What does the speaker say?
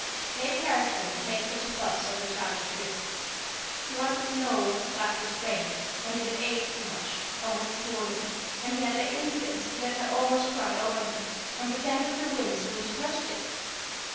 Lady Carriston did make such a fuss over Charlie's wrist. She wanted to know was it badly sprained, and did it ache much, and was it swollen, and he had the impudence to let her almost cry over him, and pretended to wince when she touched it!